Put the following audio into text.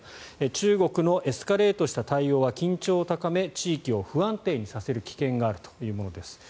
中国のエスカレートした対応は緊張を高め地域を不安定にさせる危険があるというものです。